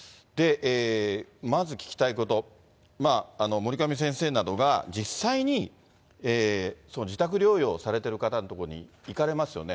まず聞きたいこと、守上先生などが実際にその自宅療養されてる方の所に行かれますよね。